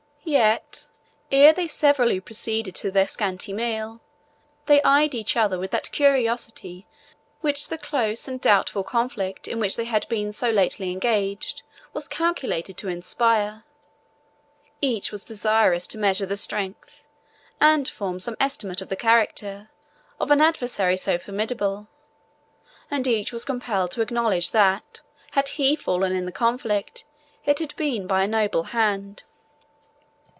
Yet, ere they severally proceeded to their scanty meal, they eyed each other with that curiosity which the close and doubtful conflict in which they had been so lately engaged was calculated to inspire. Each was desirous to measure the strength, and form some estimate of the character, of an adversary so formidable; and each was compelled to acknowledge that, had he fallen in the conflict, it had been by a noble hand.